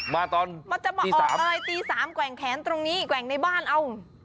มาตอนตี๓ตี๓แกว่งแขนตรงนี้แกว่งในบ้านเอา